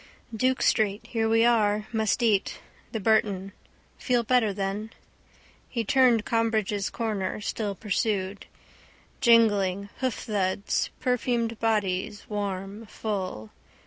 Duke street. Here we are. Must eat. The Burton. Feel better then. He turned Combridge's corner, still pursued. Jingling, hoofthuds. Perfumed bodies, warm, full.